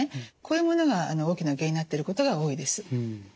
こういうものが大きな原因になってることが多いです。